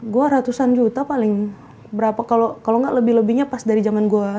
gue ratusan juta paling berapa kalau nggak lebih lebihnya pas dari zaman gue